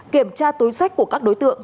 kiểm tra túi sách của các đối tượng